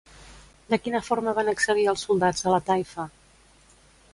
De quina forma van accedir els soldats a la taifa?